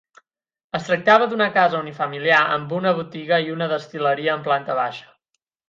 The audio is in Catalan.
Es tractava d'una casa unifamiliar amb una botiga i una destil·leria en planta baixa.